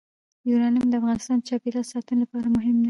یورانیم د افغانستان د چاپیریال ساتنې لپاره مهم دي.